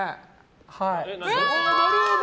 はい。